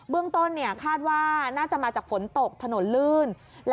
เบื้องต้นเนี่ยคาดว่าน่าจะมาจากฝนตกทะเลเลยค่ะ